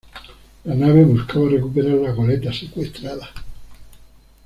La nave buscaba recuperar las goletas secuestradas.